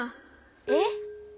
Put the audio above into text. えっ？